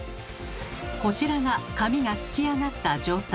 こちらが紙がすき上がった状態。